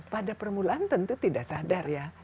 pada permulaan tentu tidak sadar ya